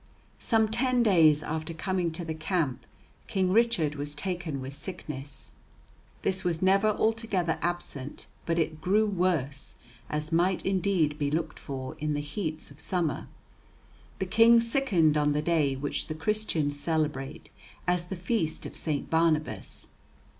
Some ten days after his coming to the camp King Richard was taken with sickness. This was never altogether absent, but it grew worse, as might indeed be looked for, in the heats of summer. The King sickened on the day which the Christians celebrate as the Feast of St. Barnabas.